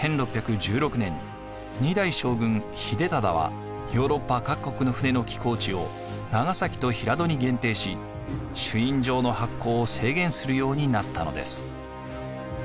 １６１６年２代将軍秀忠はヨーロッパ各国の船の寄港地を長崎と平戸に限定し朱印状の発行を制限するようになったのです。